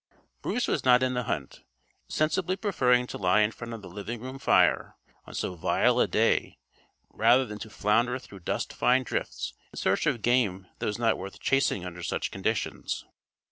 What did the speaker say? Bruce was not in the hunt, sensibly preferring to lie in front of the living room fire on so vile a day rather than to flounder through dust fine drifts in search of game that was not worth chasing under such conditions.